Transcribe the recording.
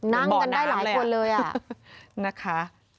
นั่งกันได้หลายคนเลยนะคะ